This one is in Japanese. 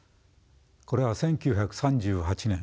これは１９３８年